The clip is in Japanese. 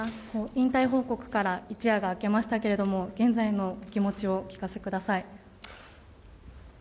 引退報告から一夜が明けましたけれども、現在のお気持ちをお聞かせください。